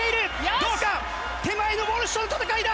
どうか、手前のウォルシュとの戦いだ。